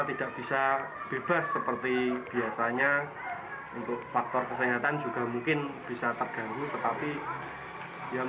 tidak bisa bebas seperti biasanya untuk faktor kesehatan juga mungkin bisa terganggu tetapi yang